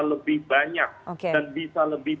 lebih banyak dan bisa lebih